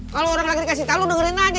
kalau orang lagi dikasih tau lu dengerin aja